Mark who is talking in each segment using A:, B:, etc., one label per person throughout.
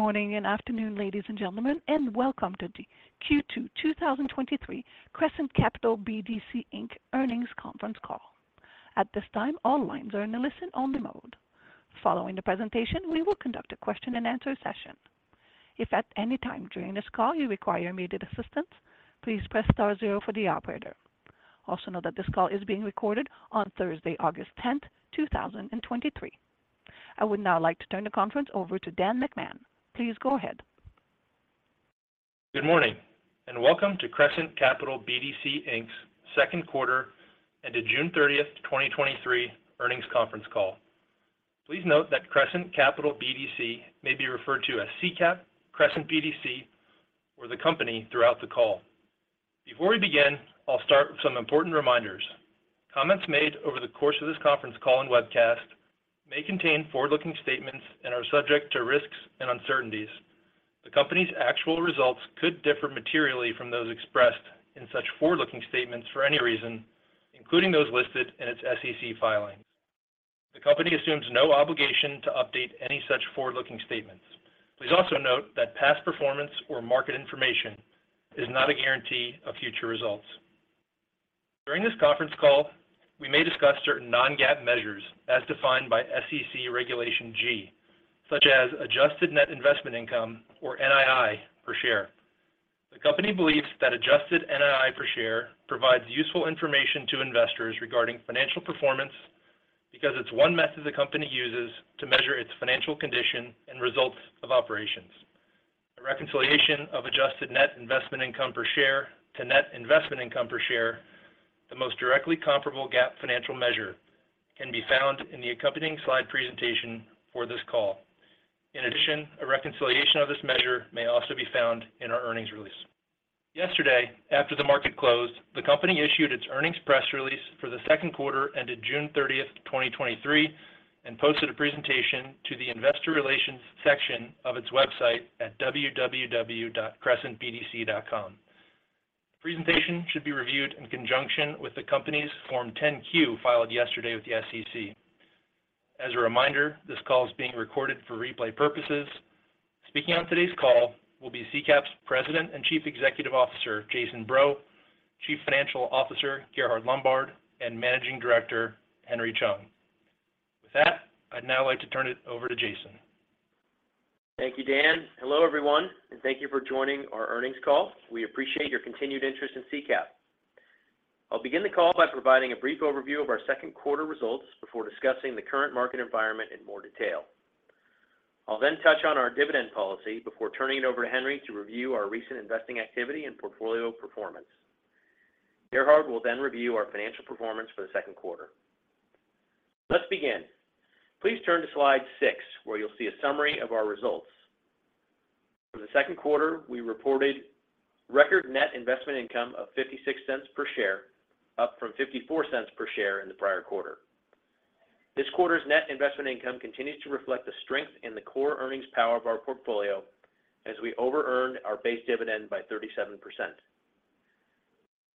A: Good morning and afternoon, ladies and gentlemen, welcome to the Q2 2023 Crescent Capital BDC, Inc. Earnings Conference Call. At this time, all lines are in a listen-only mode. Following the presentation, we will conduct a question and answer session. If at any time during this call you require immediate assistance, please press star zero for the operator. Note that this call is being recorded on Thursday, August 10, 2023. I would now like to turn the conference over to Dan McMahon. Please go ahead.
B: Good morning, welcome to Crescent Capital BDC, Inc.'s second quarter and the June 30th, 2023 earnings conference call. Please note that Crescent Capital BDC may be referred to as CCAP, Crescent BDC, or the company throughout the call. Before we begin, I'll start with some important reminders. Comments made over the course of this conference call and webcast may contain forward-looking statements and are subject to risks and uncertainties. The Company's actual results could differ materially from those expressed in such forward-looking statements for any reason, including those listed in its SEC filings. The Company assumes no obligation to update any such forward-looking statements. Please also note that past performance or market information is not a guarantee of future results. During this conference call, we may discuss certain non-GAAP measures as defined by SEC Regulation G, such as adjusted net investment income or NII per share. The Company believes that adjusted NII per share provides useful information to investors regarding financial performance because it's one method the Company uses to measure its financial condition and results of operations. A reconciliation of adjusted net investment income per share to net investment income per share, the most directly comparable GAAP financial measure, can be found in the accompanying slide presentation for this call. In addition, a reconciliation of this measure may also be found in our earnings release. Yesterday, after the market closed, the Company issued its earnings press release for the second quarter ended June 30, 2023, and posted a presentation to the investor relations section of its website at www.crescentbdc.com. The presentation should be reviewed in conjunction with the Company's Form 10-Q, filed yesterday with the SEC. As a reminder, this call is being recorded for replay purposes. Speaking on today's call will be CCAP's President and Chief Executive Officer, Jason Breaux, Chief Financial Officer, Gerhard Lombard, and Managing Director, Henry Chung. With that, I'd now like to turn it over to Jason.
C: Thank you, Dan. Hello, everyone, and thank you for joining our earnings call. We appreciate your continued interest in CCAP. I'll begin the call by providing a brief overview of our second quarter results before discussing the current market environment in more detail. I'll touch on our dividend policy before turning it over to Henry to review our recent investing activity and portfolio performance. Gerhard will then review our financial performance for the second quarter. Let's begin. Please turn to slide 6, where you'll see a summary of our results. For the second quarter, we reported record net investment income of $0.56 per share, up from $0.54 per share in the prior quarter. This quarter's net investment income continues to reflect the strength in the core earnings power of our portfolio as we overearned our base dividend by 37%.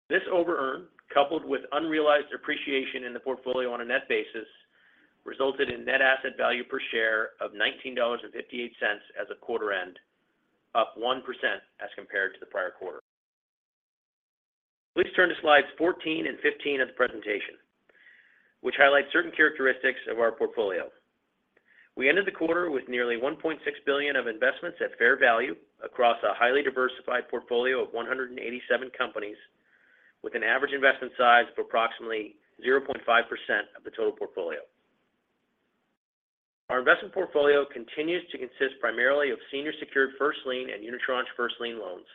C: This overearn, coupled with unrealized appreciation in the portfolio on a net basis, resulted in net asset value per share of $19.58 as of quarter end, up 1% as compared to the prior quarter. Please turn to slides 14 and 15 of the presentation, which highlight certain characteristics of our portfolio. We ended the quarter with nearly $1.6 billion of investments at fair value across a highly diversified portfolio of 187 companies, with an average investment size of approximately 0.5% of the total portfolio. Our investment portfolio continues to consist primarily of senior secured first lien and unitranche first lien loans,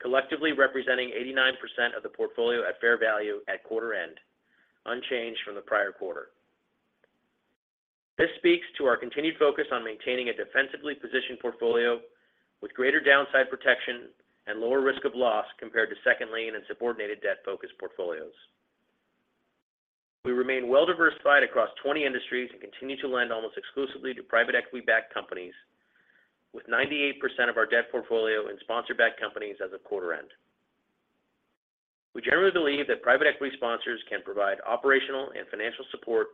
C: collectively representing 89% of the portfolio at fair value at quarter end, unchanged from the prior quarter. This speaks to our continued focus on maintaining a defensively positioned portfolio with greater downside protection and lower risk of loss compared to second lien and subordinated debt-focused portfolios. We remain well-diversified across 20 industries and continue to lend almost exclusively to private equity-backed companies, with 98% of our debt portfolio in sponsor-backed companies as of quarter end. We generally believe that private equity sponsors can provide operational and financial support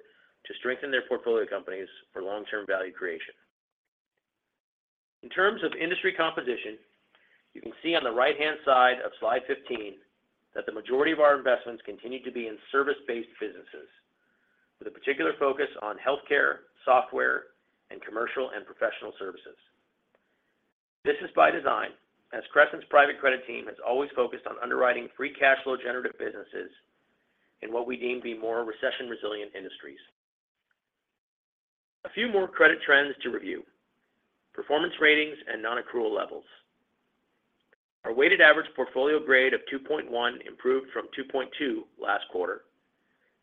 C: to strengthen their portfolio companies for long-term value creation. In terms of industry composition, you can see on the right-hand side of slide 15 that the majority of our investments continue to be in service-based businesses, with a particular focus on healthcare, software, and commercial and professional services. This is by design, as Crescent's private credit team has always focused on underwriting free cash flow generative businesses in what we deem to be more recession-resilient industries. A few more credit trends to review: performance ratings and non-accrual levels. Our weighted average portfolio grade of 2.1 improved from 2.2 last quarter,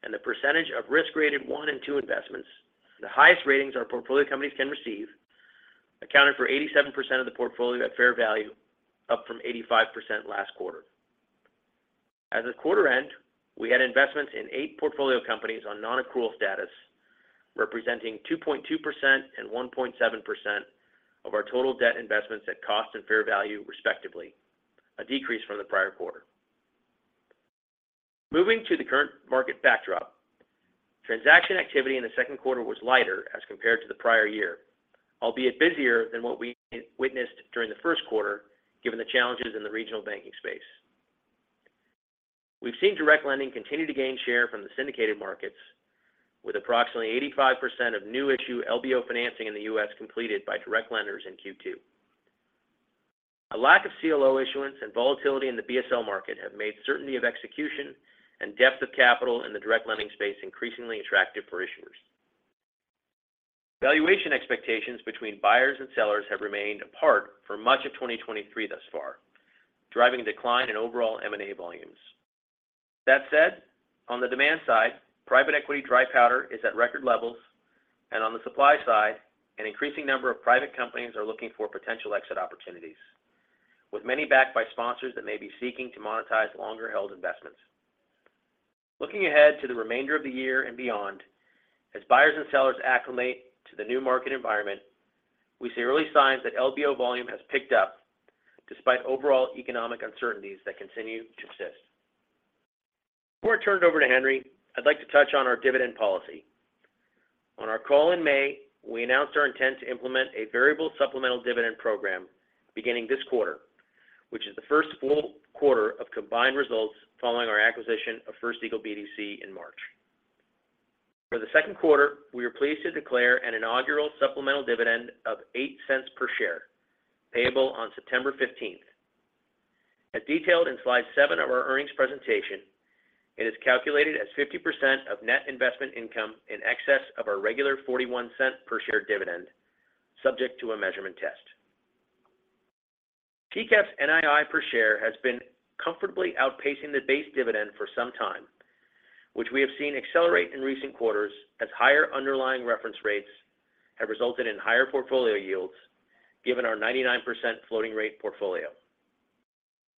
C: and the percentage of risk rated 1 and 2 investments, the highest ratings our portfolio companies can receive, accounted for 87% of the portfolio at fair value, up from 85% last quarter. As of quarter end, we had investments in 8 portfolio companies on non-accrual status, representing 2.2% and 1.7% of our total debt investments at cost and fair value, respectively, a decrease from the prior quarter. Moving to the current market backdrop. Transaction activity in the second quarter was lighter as compared to the prior year, albeit busier than what we witnessed during the first quarter, given the challenges in the regional banking space. We've seen direct lending continue to gain share from the syndicated markets, with approximately 85% of new issue LBO financing in the US completed by direct lenders in Q2. A lack of CLO issuance and volatility in the BSL market have made certainty of execution and depth of capital in the direct lending space increasingly attractive for issuers. Valuation expectations between buyers and sellers have remained apart for much of 2023 thus far, driving a decline in overall M&A volumes. That said, on the demand side, private equity dry powder is at record levels, and on the supply side, an increasing number of private companies are looking for potential exit opportunities, with many backed by sponsors that may be seeking to monetize longer-held investments. Looking ahead to the remainder of the year and beyond, as buyers and sellers acclimate to the new market environment, we see early signs that LBO volume has picked up despite overall economic uncertainties that continue to exist. Before I turn it over to Henry, I'd like to touch on our dividend policy. On our call in May, we announced our intent to implement a variable supplemental dividend program beginning this quarter, which is the first full quarter of combined results following our acquisition of First Eagle BDC in March. For the second quarter, we are pleased to declare an inaugural supplemental dividend of $0.08 per share, payable on September 15th. As detailed in slide 7 of our earnings presentation, it is calculated as 50% of net investment income in excess of our regular $0.41 per share dividend, subject to a measurement test. CCAP's NII per share has been comfortably outpacing the base dividend for some time, which we have seen accelerate in recent quarters as higher underlying reference rates have resulted in higher portfolio yields, given our 99% floating rate portfolio.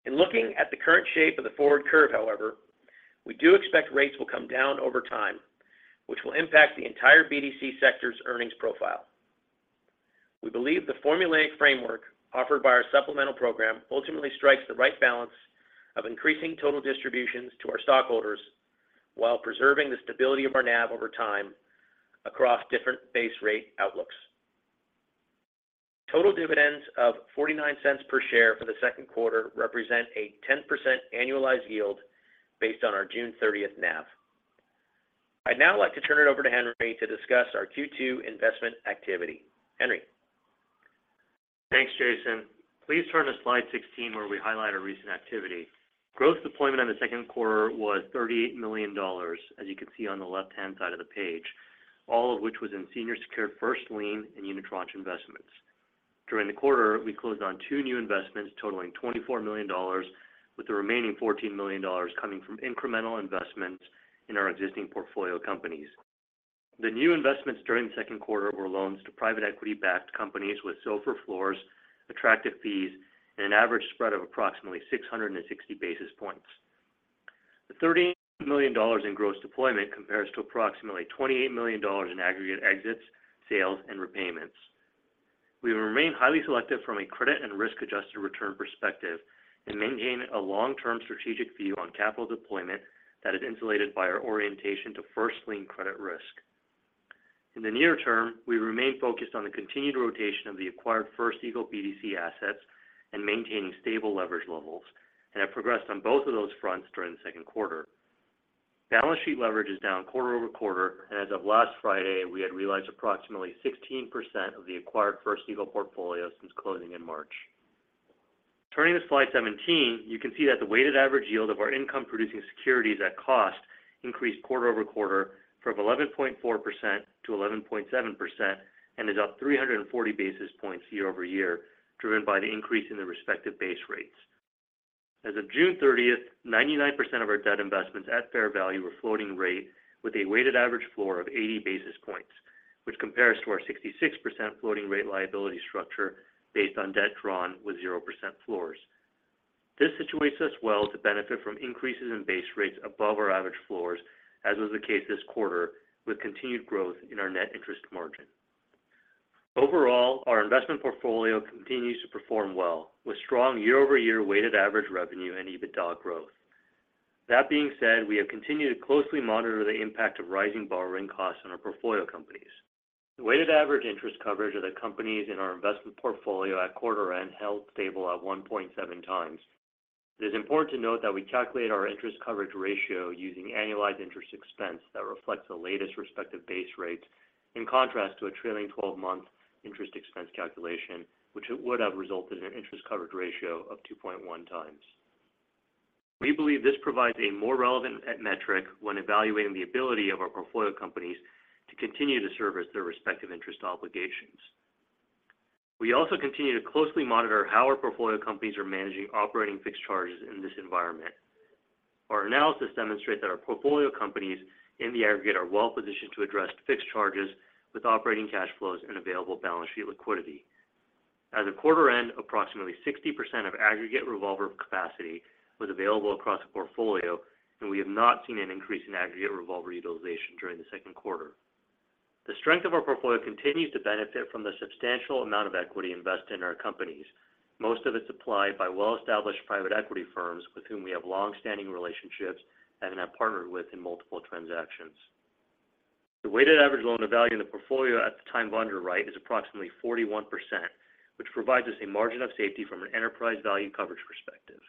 C: In looking at the current shape of the forward curve, however, we do expect rates will come down over time, which will impact the entire BDC sector's earnings profile. We believe the formulaic framework offered by our supplemental program ultimately strikes the right balance of increasing total distributions to our stockholders while preserving the stability of our NAV over time across different base rate outlooks. Total dividends of $0.49 per share for the second quarter represent a 10% annualized yield based on our June 30th NAV. I'd now like to turn it over to Henry to discuss our Q2 investment activity. Henry?
D: Thanks, Jason. Please turn to slide 16, where we highlight our recent activity. Gross deployment in the second quarter was $38 million, as you can see on the left-hand side of the page, all of which was in senior secured first lien and unitranche investments. During the quarter, we closed on two new investments totaling $24 million, with the remaining $14 million coming from incremental investments in our existing portfolio companies. The new investments during the second quarter were loans to private equity-backed companies with SOFR floors, attractive fees, and an average spread of approximately 660 basis points. The $30 million in gross deployment compares to approximately $28 million in aggregate exits, sales, and repayments. We remain highly selective from a credit and risk-adjusted return perspective and maintain a long-term strategic view on capital deployment that is insulated by our orientation to first lien credit risk. In the near term, we remain focused on the continued rotation of the acquired First Eagle BDC assets and maintaining stable leverage levels, and have progressed on both of those fronts during the second quarter. Balance sheet leverage is down quarter-over-quarter, and as of last Friday, we had realized approximately 16% of the acquired First Eagle portfolio since closing in March. Turning to slide 17, you can see that the weighted average yield of our income-producing securities at cost increased quarter-over-quarter from 11.4% to 11.7% and is up 340 basis points year-over-year, driven by the increase in the respective base rates. As of June 30th, 99% of our debt investments at fair value were floating rate, with a weighted average floor of 80 basis points, which compares to our 66% floating rate liability structure based on debt drawn with 0% floors. This situates us well to benefit from increases in base rates above our average floors, as was the case this quarter, with continued growth in our net interest margin. Overall, our investment portfolio continues to perform well, with strong year-over-year weighted average revenue and EBITDA growth. That being said, we have continued to closely monitor the impact of rising borrowing costs on our portfolio companies. The weighted average interest coverage of the companies in our investment portfolio at quarter-end held stable at 1.7 times. It is important to note that we calculate our interest coverage ratio using annualized interest expense that reflects the latest respective base rates, in contrast to a trailing 12-month interest expense calculation, which would have resulted in an interest coverage ratio of 2.1x. We believe this provides a more relevant metric when evaluating the ability of our portfolio companies to continue to service their respective interest obligations. We also continue to closely monitor how our portfolio companies are managing operating fixed charges in this environment. Our analysis demonstrates that our portfolio companies in the aggregate, are well positioned to address fixed charges with operating cash flows and available balance sheet liquidity. As of quarter end, approximately 60% of aggregate revolver capacity was available across the portfolio. We have not seen an increase in aggregate revolver utilization during the second quarter. The strength of our portfolio continues to benefit from the substantial amount of equity invested in our companies, most of it supplied by well-established private equity firms with whom we have long-standing relationships and have partnered with in multiple transactions. The weighted average loan-to-value in the portfolio at the time of underwrite is approximately 41%, which provides us a margin of safety from an enterprise value coverage perspective.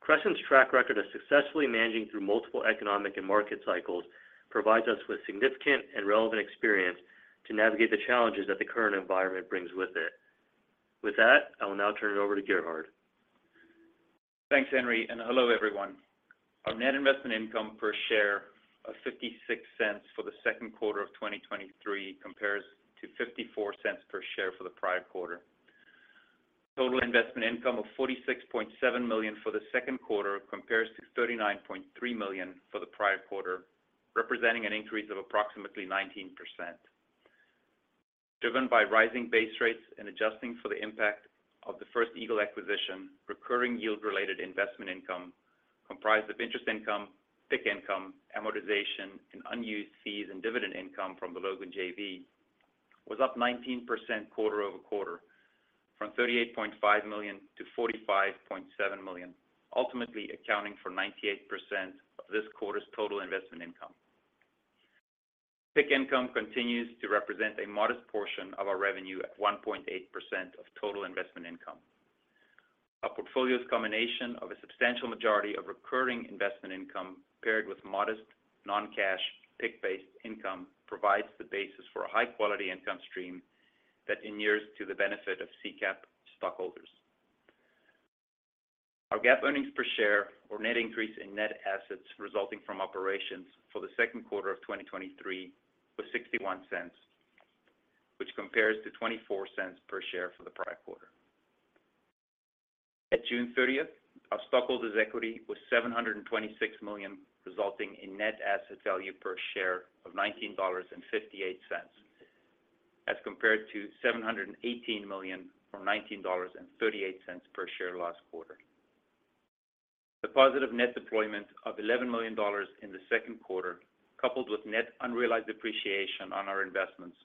D: Crescent's track record of successfully managing through multiple economic and market cycles provides us with significant and relevant experience to navigate the challenges that the current environment brings with it. With that, I will now turn it over to Gerhard.
E: Thanks, Henry. Hello, everyone. Our net investment income per share of $0.56 for the second quarter of 2023 compares to $0.54 per share for the prior quarter. Total investment income of $46.7 million for the second quarter compares to $39.3 million for the prior quarter, representing an increase of approximately 19%. Driven by rising base rates and adjusting for the impact of the First Eagle acquisition, recurring yield-related investment income, comprised of interest income, PIK income, amortization, and unused fees and dividend income from the Logan JV, was up 19% quarter-over-quarter from $38.5 million-$45.7 million, ultimately accounting for 98% of this quarter's total investment income. PIK income continues to represent a modest portion of our revenue at 1.8% of total investment income. Our portfolio's combination of a substantial majority of recurring investment income, paired with modest non-cash PIK-based income, provides the basis for a high-quality income stream that inures to the benefit of CCAP stockholders. Our GAAP earnings per share or net increase in net assets resulting from operations for Q2 2023 was $0.61, which compares to $0.24 per share for the prior quarter. At June 30, our stockholders' equity was $726 million, resulting in net asset value per share of $19.58, as compared to $718 million, from $19.38 per share last quarter. The positive net deployment of $11 million in the second quarter, coupled with net unrealized appreciation on our investments,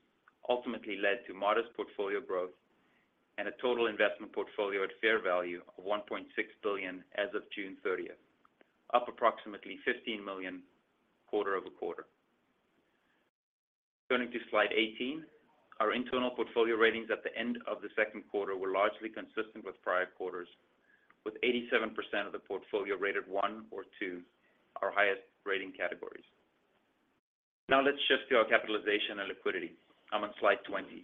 E: ultimately led to modest portfolio growth and a total investment portfolio at fair value of $1.6 billion as of June 30th, up approximately $15 million quarter-over-quarter. Turning to Slide 18, our internal portfolio ratings at the end of the second quarter were largely consistent with prior quarters, with 87% of the portfolio rated 1 or 2, our highest rating categories. Now let's shift to our capitalization and liquidity. I'm on Slide 20.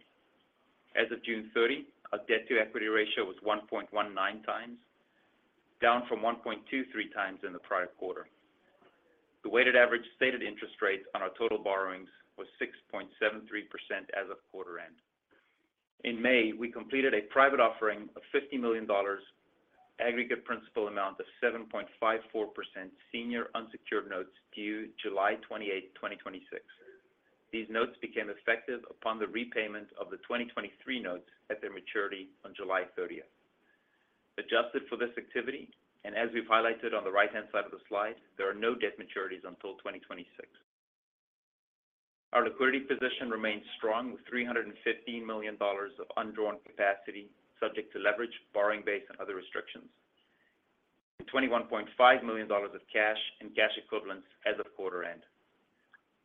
E: As of June 30, our debt-to-equity ratio was 1.19 times, down from 1.23 times in the prior quarter. The weighted average stated interest rates on our total borrowings was 6.73% as of quarter end. In May, we completed a private offering of $50 million, aggregate principal amount of 7.54% senior unsecured notes due July 28, 2026. These notes became effective upon the repayment of the 2023 notes at their maturity on July 30th. Adjusted for this activity, as we've highlighted on the right-hand side of the slide, there are no debt maturities until 2026. Our liquidity position remains strong, with $315 million of undrawn capacity, subject to leverage, borrowing base and other restrictions. In $21.5 million of cash and cash equivalents as of quarter end.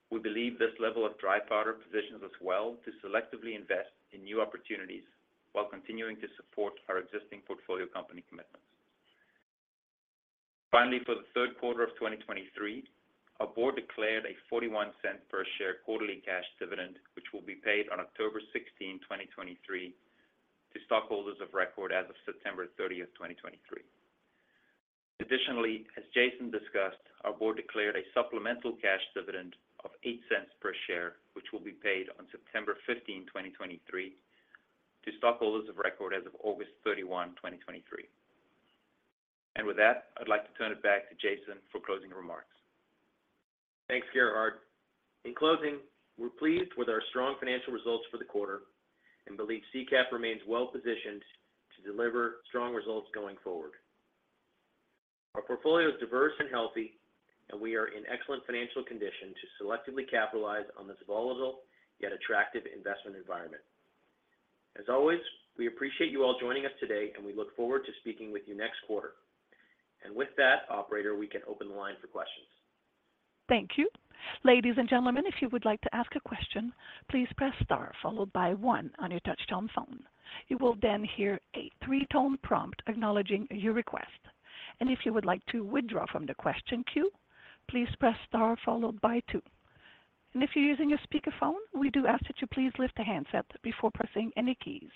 E: We believe this level of dry powder positions us well to selectively invest in new opportunities while continuing to support our existing portfolio company commitments. Finally, for the third quarter of 2023, our board declared a $0.41 per share quarterly cash dividend, which will be paid on October 16, 2023, to stockholders of record as of September 30, 2023. Additionally, as Jason discussed, our board declared a supplemental cash dividend of $0.08 per share, which will be paid on September 15, 2023, to stockholders of record as of August 31, 2023. With that, I'd like to turn it back to Jason for closing remarks.
C: Thanks, Gerhard. In closing, we're pleased with our strong financial results for the quarter and believe CCAP remains well positioned to deliver strong results going forward. Our portfolio is diverse and healthy, and we are in excellent financial condition to selectively capitalize on this volatile, yet attractive investment environment. As always, we appreciate you all joining us today, and we look forward to speaking with you next quarter. With that, operator, we can open the line for questions.
A: Thank you. Ladies and gentlemen, if you would like to ask a question, please press star followed by 1 on your touchtone phone. You will then hear a 3-tone prompt acknowledging your request. If you would like to withdraw from the question queue, please press star followed by 2. If you're using a speakerphone, we do ask that you please lift the handset before pressing any keys.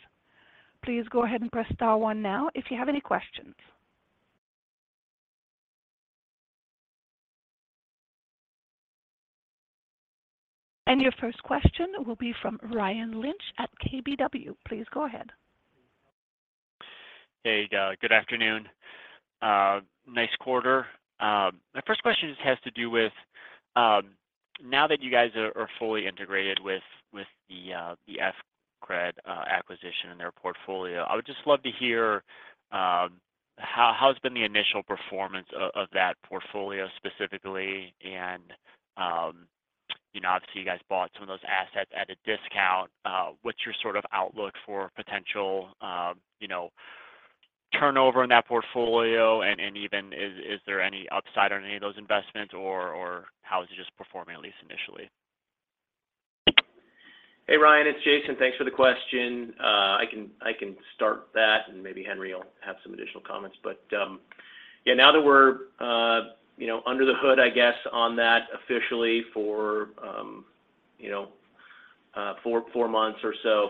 A: Please go ahead and press star 1 now if you have any questions. Your first question will be from Ryan Lynch at KBW. Please go ahead.
F: Hey, good afternoon. Nice quarter. My first question just has to do with how has been the initial performance of that portfolio specifically? You know, obviously, you guys are fully integrated with the FCRD acquisition and their portfolio, I would just love to hear how has been the initial performance of that portfolio specifically? You know, obviously, you guys bought some of those assets at a discount. What's your sort of outlook for potential, you know, turnover in that portfolio? Even is there any upside on any of those investments, or how is it just performing, at least initially?
C: Hey, Ryan, it's Jason. Thanks for the question. I can, I can start that, and maybe Henry will have some additional comments. Yeah, now that we're, you know, under the hood, I guess, on that officially for, you know, 4, 5 months or so,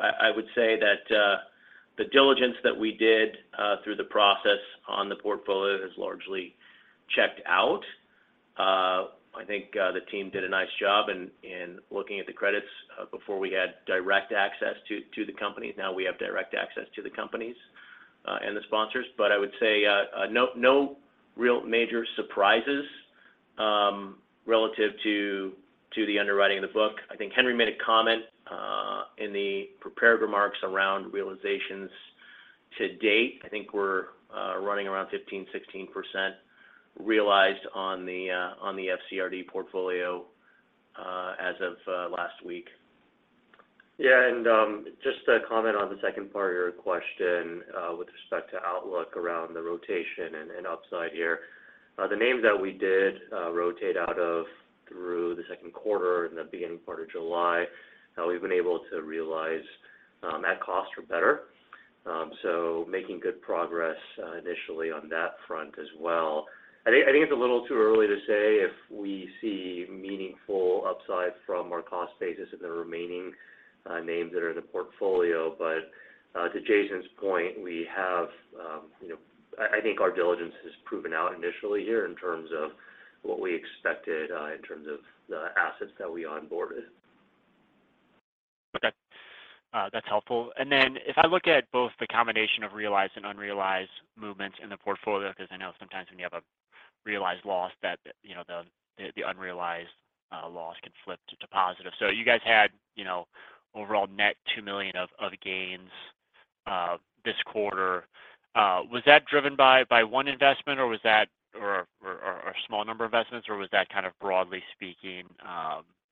C: I, I would say that, the diligence that we did, through the process on the portfolio has largely checked out. I think, the team did a nice job in, in looking at the credits, before we had direct access to, to the companies. Now we have direct access to the companies, and the sponsors. No, no real major surprises, relative to, to the underwriting of the book. I think Henry made a comment, in the prepared remarks around realizations to date. I think we're running around 15%, 16% realized on the, on the FCRD portfolio, as of last week.
D: Yeah, just to comment on the second part of your question, with respect to outlook around the rotation and upside here. The names that we did rotate out of through the second quarter and the beginning part of July, we've been able to realize at cost or better. Making good progress initially on that front as well. I think, I think it's a little too early to say if we see meaningful upside from our cost basis in the remaining names that are in the portfolio. To Jason's point, we have, you know, I, I think our diligence has proven out initially here in terms of what we expected in terms of the assets that we onboarded.
F: Okay. That's helpful. If I look at both the combination of realized and unrealized movements in the portfolio, because I know sometimes when you have a realized loss, that, you know, the unrealized loss can flip to positive. You guys had, you know, overall net $2 million of gains this quarter. Was that driven by one investment, or was that... or, or, or a small number of investments, or was that kind of, broadly speaking,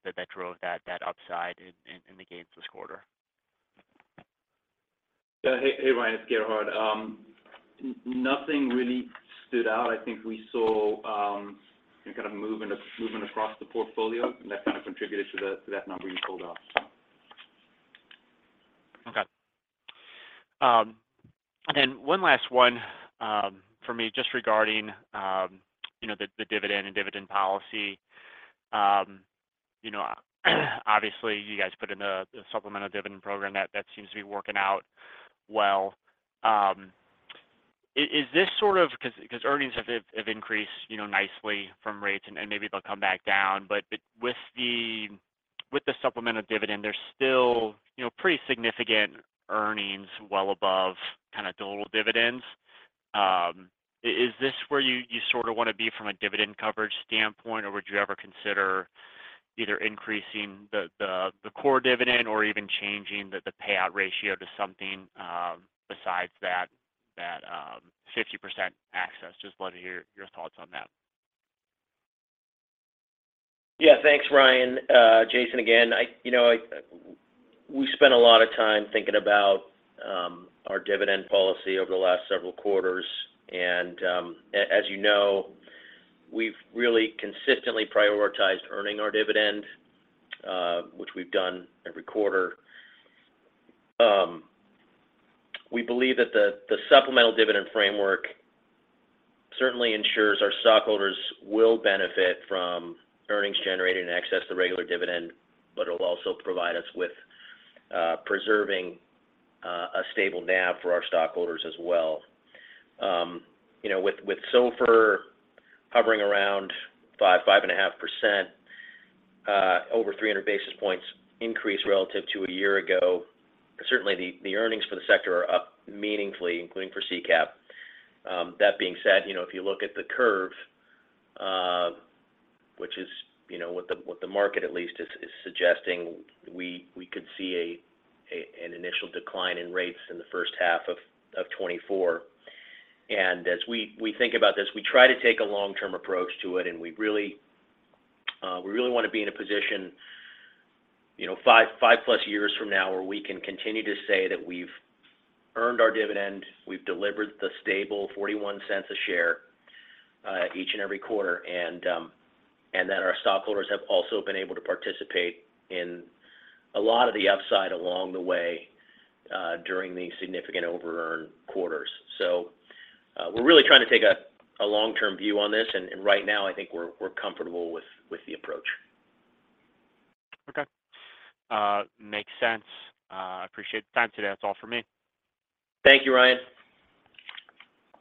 F: that, that drove that, that upside in, in, in the gains this quarter?
E: Yeah. Hey, hey, Ryan, it's Gerhard. Nothing really stood out. I think we saw a kind of movement, movement across the portfolio, and that kind of contributed to that number you pulled out.
F: Okay. Then one last one, for me, just regarding, you know, the, the dividend and dividend policy. You know, obviously, you guys put in a, a supplemental dividend program that, that seems to be working out well. Is this sort of- because earnings have, have increased, you know, nicely from rates, and, and maybe they'll come back down, but, but with the, with the supplemental dividend, there's still, you know, pretty significant earnings well above kind of normal dividends. Is this where you, you sort of want to be from a dividend coverage standpoint, or would you ever consider either increasing the, the, the core dividend or even changing the, the payout ratio to something, besides that, that, 50% access? Just wanted to hear your thoughts on that.
C: Yeah. Thanks, Ryan. Jason, again, I... You know, we've spent a lot of time thinking about our dividend policy over the last several quarters, and, as you know, we've really consistently prioritized earning our dividend, which we've done every quarter. We believe that the supplemental dividend framework certainly ensures our stockholders will benefit from earnings generated in excess to regular dividend, but it'll also provide us with preserving a stable NAV for our stockholders as well. You know, with SOFR hovering around 5%, 5.5%, over 300 basis points increase relative to a year ago, certainly the earnings for the sector are up meaningfully, including for CCAP. That being said, you know, if you look at the curve, which is, you know, what the, what the market at least is, is suggesting, we, we could see an initial decline in rates in the first half of 2024. As we, we think about this, we try to take a long-term approach to it, and we really, we really want to be in a position, you know, five, 5+ years from now, where we can continue to say that we've earned our dividend, we've delivered the stable $0.41 a share, each and every quarter, and that our stockholders have also been able to participate in a lot of the upside along the way, during the significant over earn quarters. We're really trying to take a, a long-term view on this, and, and right now, I think we're, we're comfortable with, with the approach.
F: Okay. makes sense. I appreciate the time today. That's all for me.
C: Thank you, Ryan.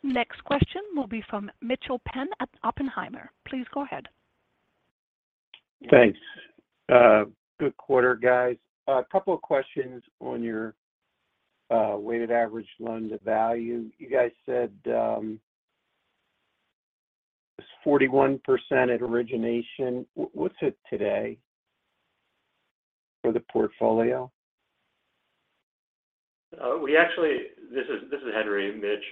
A: Next question will be from Mitchel Penn at Oppenheimer. Please go ahead.
G: Thanks. Good quarter, guys. A couple of questions on your weighted average loan to value. You guys said, 41% at origination. What's it today for the portfolio?
D: We actually. This is, this is Henry, Mitch.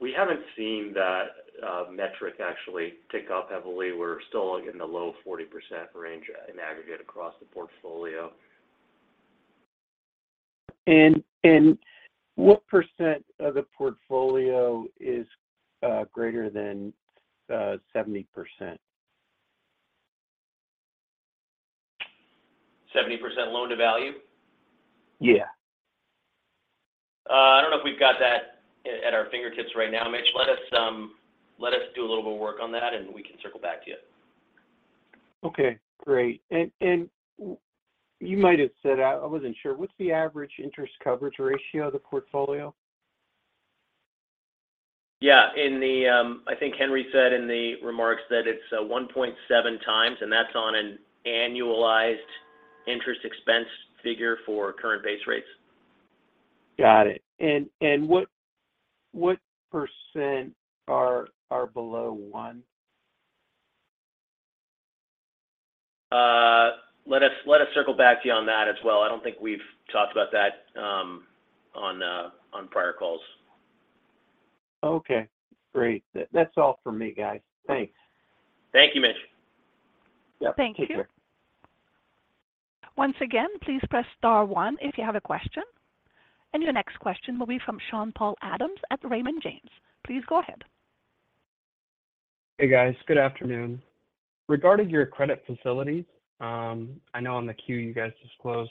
D: We haven't seen that metric actually tick up heavily. We're still in the low 40% range in aggregate across the portfolio.
G: What percent of the portfolio is greater than 70%?
D: 70% loan-to-value?
G: Yeah.
C: I don't know if we've got that at, at our fingertips right now, Mitch. Let us, let us do a little bit of work on that, and we can circle back to you.
G: Okay, great. and w- you might have said, I, I wasn't sure. What's the average interest coverage ratio of the portfolio?
C: Yeah. In the, I think Henry said in the remarks that it's 1.7 times. That's on an annualized interest expense figure for current base rates.
G: Got it. What, what % are, are below 1?
C: Let us, let us circle back to you on that as well. I don't think we've talked about that, on, on prior calls.
G: Okay, great. That's all for me, guys. Thanks.
C: Thank you, Mitch.
G: Yep.
A: Thank you.
G: Take care.
A: Once again, please press star one if you have a question. Your next question will be from Sean Paul Adams at Raymond James. Please go ahead.
H: Hey, guys. Good afternoon. Regarding your credit facilities, I know on the Q you guys disclosed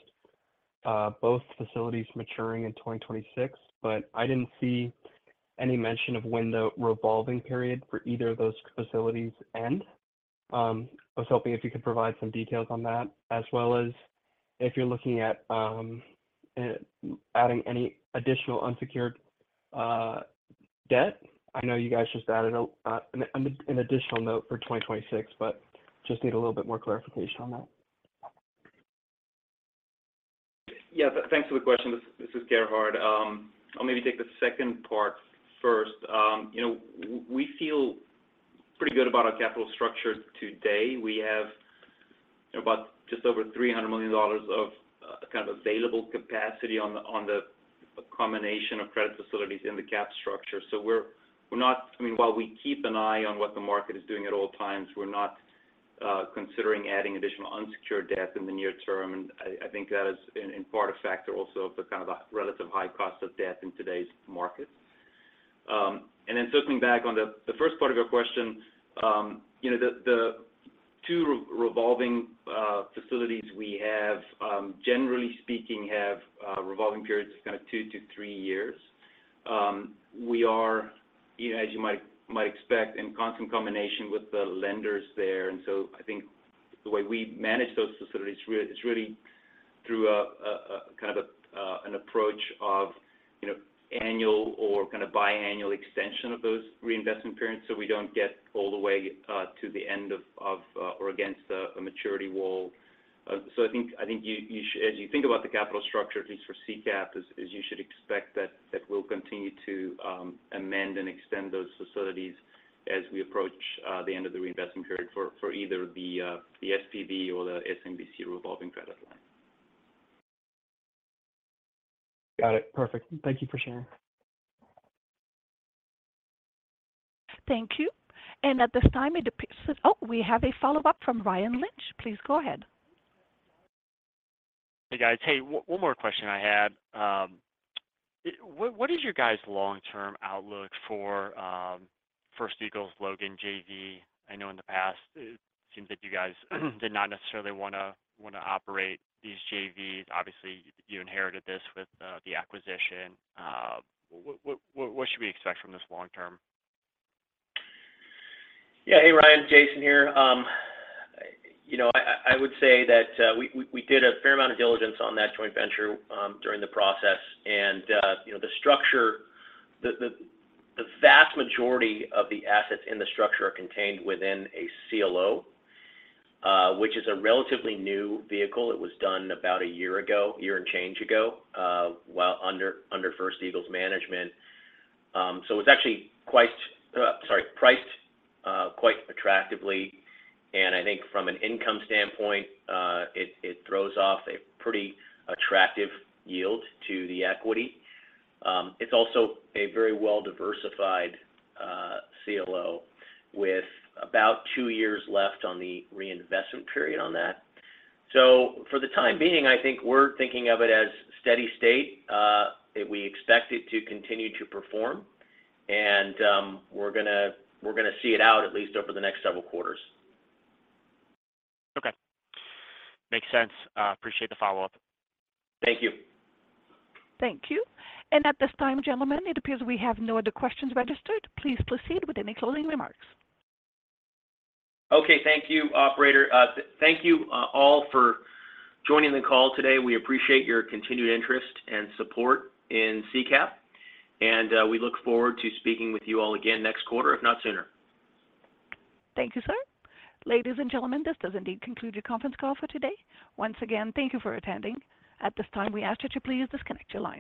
H: both facilities maturing in 2026, but I didn't see any mention of when the revolving period for either of those facilities end. I was hoping if you could provide some details on that, as well as if you're looking at adding any additional unsecured debt. I know you guys just added an additional note for 2026, but just need a little bit more clarification on that.
E: Yeah, th-thanks for the question. This, this is Gerhard. I'll maybe take the second part first. You know, w-we feel pretty good about our capital structure today. We have about just over $300 million of kind of available capacity on the, on the combination of credit facilities in the cap structure. We're, we're not, I mean, while we keep an eye on what the market is doing at all times, we're not considering adding additional unsecured debt in the near term. I, I think that is in, in part a factor also of the kind of a relative high cost of debt in today's market. Then circling back on the first part of your question, you know, the two revolving facilities we have, generally speaking, have revolving periods of kind of two to three years. We are, you know, as you might, might expect, in constant combination with the lenders there. So I think the way we manage those facilities is really, is really through a kind of an approach of, you know, annual or kind of biannual extension of those reinvestment periods, so we don't get all the way to the end of, or against a maturity wall. I think, I think you, as you think about the capital structure, at least for CCAP, is, is you should expect that, that we'll continue to amend and extend those facilities as we approach the end of the reinvestment period for, for either the SPV or the SMBC revolving credit line.
I: Got it. Perfect. Thank you for sharing.
A: Thank you. At this time, it appears. Oh, we have a follow-up from Ryan Lynch. Please go ahead.
F: Hey, guys. Hey, one, one more question I had. What is your guys' long-term outlook for First Eagle's Logan JV? I know in the past, it seems that you guys, did not necessarily wanna, wanna operate these JVs. Obviously, you inherited this with the acquisition. What, what, what, what should we expect from this long term?
C: Yeah. Hey, Ryan, Jason here. You know, I, I, I would say that we, we, we did a fair amount of diligence on that joint venture during the process. You know, the structure, the, the, the vast majority of the assets in the structure are contained within a CLO, which is a relatively new vehicle. It was done about a year ago, a year and change ago, while under, under First Eagle's management. So it's actually quite, sorry, priced, quite attractively, and I think from an income standpoint, it, it throws off a pretty attractive yield to the equity. It's also a very well-diversified CLO with about 2 years left on the reinvestment period on that. So for the time being, I think we're thinking of it as steady state. We expect it to continue to perform, and we're gonna, we're gonna see it out at least over the next several quarters.
F: Okay. Makes sense. Appreciate the follow-up.
C: Thank you.
A: Thank you. At this time, gentlemen, it appears we have no other questions registered. Please proceed with any closing remarks.
C: Okay. Thank you, operator. Thank you all for joining the call today. We appreciate your continued interest and support in CCAP, and we look forward to speaking with you all again next quarter, if not sooner.
A: Thank you, sir. Ladies and gentlemen, this does indeed conclude your conference call for today. Once again, thank you for attending. At this time, we ask you to please disconnect your lines.